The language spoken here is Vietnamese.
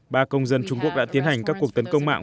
ba công dân trung quốc đã tiến hành các cuộc tấn công mạng